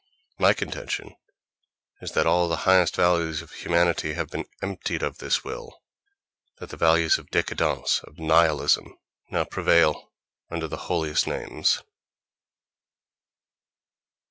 My contention is that all the highest values of humanity have been emptied of this will—that the values of décadence, of nihilism, now prevail under the holiest names.